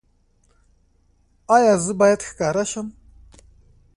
ایا زه باید ښکاره شم؟